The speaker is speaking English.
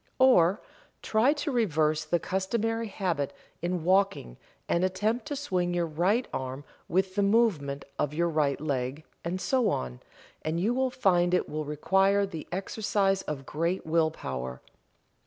Or, try to reverse the customary habit in walking and attempt to swing your right arm with the movement of your right leg, and so on, and you will find it will require the exercise of great will power.